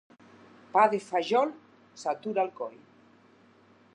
Pa de fajol s'atura al coll.